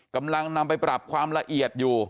กำลังนำไปปรับความละเอียดอยู่